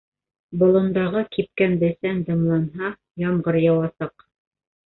Болондағы кипкән бесән дымланһа, ямғыр яуасаҡ.